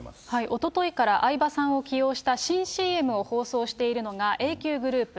おとといから相葉さんを起用した新ＣＭを放送しているのが、ＡＱＧｒｏｕｐ。